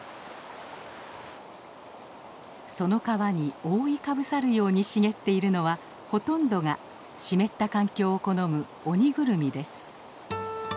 その川に覆いかぶさるように茂っているのはほとんどが湿った環境を好むオニグルミです。